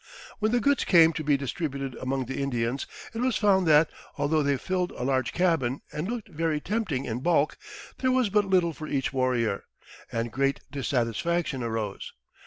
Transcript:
When the goods came to be distributed among the Indians it was found that, although they filled a large cabin and looked very tempting in bulk, there was but little for each warrior, and great dissatisfaction arose.